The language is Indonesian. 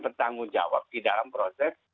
bertanggung jawab di dalam proses